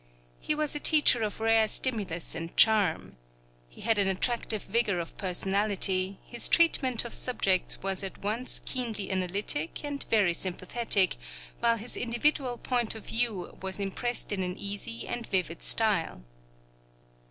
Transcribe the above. He was a teacher of rare stimulus and charm. He had an attractive vigor of personality; his treatment of subjects was at once keenly analytic and very sympathetic, while his individual point of view was impressed in an easy and vivid style.